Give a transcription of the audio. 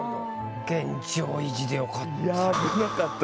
現状維持でよかった。